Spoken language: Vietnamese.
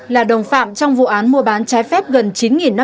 là đồng phạm trong vụ án mua bán trái phép gần chín đồng